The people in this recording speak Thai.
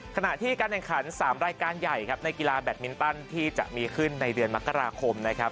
ขณะที่การแข่งขัน๓รายการใหญ่ครับในกีฬาแบตมินตันที่จะมีขึ้นในเดือนมกราคมนะครับ